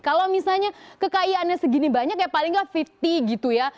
kalau misalnya kekayaannya segini banyak ya paling nggak lima puluh gitu ya